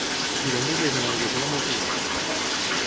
divendres he d'anar a Anglesola amb autobús.